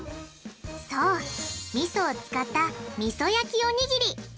そうみそを使ったみそ焼きおにぎり。